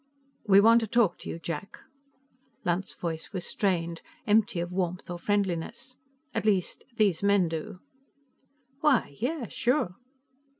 "We want to talk to you, Jack." Lunt's voice was strained, empty of warmth or friendliness. "At least, these men do." "Why, yes. Sure."